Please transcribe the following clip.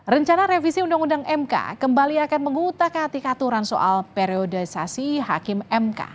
rencana revisi undang undang mk kembali akan mengutak hati aturan soal periodisasi hakim mk